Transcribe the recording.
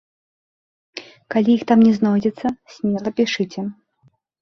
І калі іх там не знойдзецца, смела пішыце.